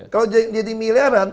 kalau jadi miliaran